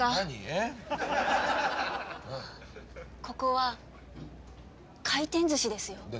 ここは回転ずしですよ？